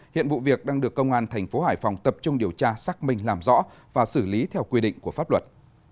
hiện vụ việc đang được công an thành phố hải phòng tập trung điều tra xác minh làm rõ và xử lý theo quy định của pháp luật